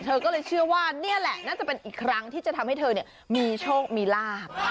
เธอก็เลยเชื่อว่านี่แหละน่าจะเป็นอีกครั้งที่จะทำให้เธอมีโชคมีลาบ